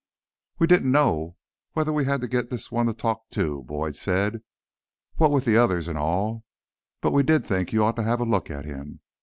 "We didn't know whether we had to get this one to talk, too," Boyd said. "What with the others, and all. But we did think you ought to have a look at him."